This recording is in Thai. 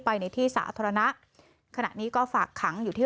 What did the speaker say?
คุณผู้สายรุ่งมโสผีอายุ๔๒ปี